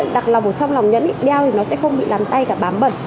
đặc lòng ở trong lòng nhẫn đeo thì nó sẽ không bị làm tay cả bám bẩn